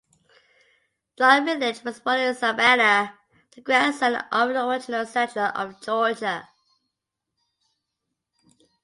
John Milledge was born in Savannah, the grandson of an original settler of Georgia.